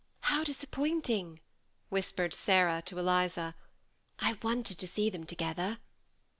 ^' How disappointing !" whispered Sarah to Eliza ;'' I wanted to see them together."